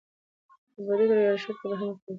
په بډو يا رشوت کې به هم ورکول کېدې.